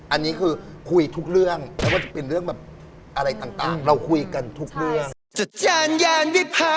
อันนี้คือคุยทุกเรื่องไม่ว่าจะเป็นเรื่องแบบอะไรต่างเราคุยกันทุกเรื่อง